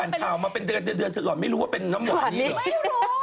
อาทิตย์การข่าวมาเป็นเดือนถึงก่อนไม่รู้ว่าเป็นน้ำวานนี้หรอ